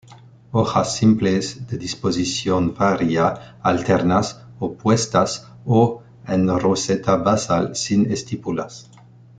Hojas simples de disposición varia, alternas, opuestas o en roseta basal, sin estípulas.